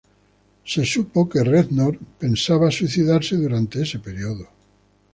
Fue conocido que Reznor consideró suicidarse durante ese período.